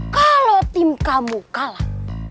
kalau tim kamu kalah